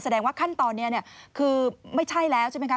แสดงว่าขั้นตอนนี้คือไม่ใช่แล้วใช่ไหมคะ